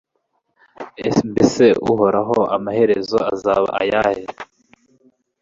Mbese Uhoraho amaherezo azaba ayahe?